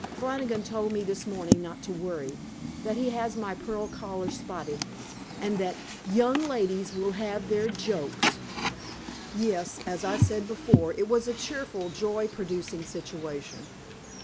Flannigan told me this morning not to worry; that he has my pearl collar spotted, and that YOUNG LADIES WILL HAVE THEIR JOKES!" Yes, as I said before, it was a cheerful, joy producing situation.